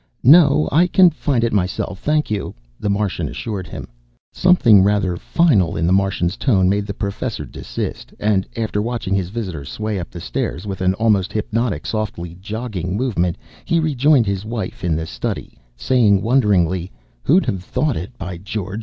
"No, I can find it myself, thank you," the Martian assured him. Something rather final in the Martian's tone made the Professor desist, and after watching his visitor sway up the stairs with an almost hypnotic softly jogging movement, he rejoined his wife in the study, saying wonderingly, "Who'd have thought it, by George!